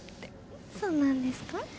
そうなんですか？